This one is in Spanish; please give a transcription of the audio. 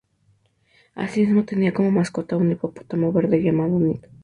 Asimismo, tenía como mascota a un hipopótamo verde llamado "Nic".